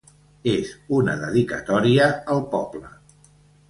“És una dedicatòria al poble”.